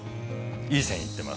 いい線いってます。